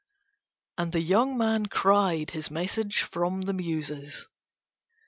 And the young man cried his message from the Muses.